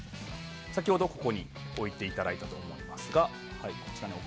先ほどは、ここに置いていただいたと思います。